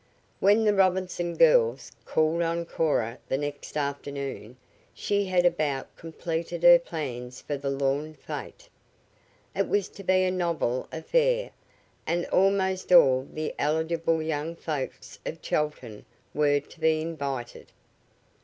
When the Robinson girls called on Cora the next afternoon she had about completed her plans for the lawn fete. It was to be a novel affair, and almost all the eligible young folks of Chelton were to be invited.